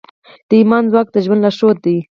د ایمان ځواک د ژوند لارښود دی.